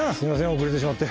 遅れてしまって。